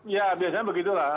ya biasanya begitulah